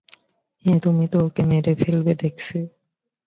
হেই, তুমি তো ওকে মেরে ফেলবে দেখছি।